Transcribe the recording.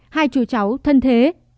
hai chú cháu thân thế